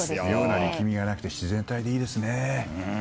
妙な力みがなくて自然体でいいですね。